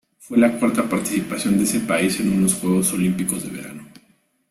Fue la cuarta participación de ese país en unos Juegos Olímpicos de verano.